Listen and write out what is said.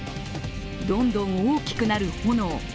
どんどん大きくなる炎。